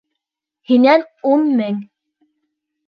Һинән ун мең!